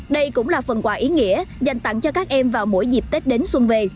đây cũng là phần quà ý nghĩa dành tặng cho các em vào mỗi dịp tết đến xuân về